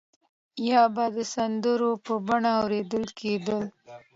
یا به د سندرو په بڼه اورول کېدل.